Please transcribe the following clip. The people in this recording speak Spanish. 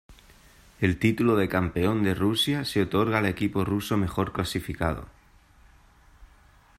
El título de Campeón de Rusia se otorga al equipo ruso mejor clasificado.